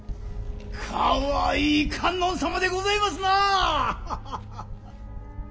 かわいい観音様でございますな。